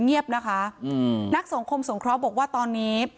เงียบนะคะนักสงครองสงคร้อบบอกว่าตอนนี้